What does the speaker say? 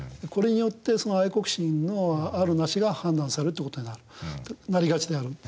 これによって愛国心の有る無しが判断されるという事になりがちである。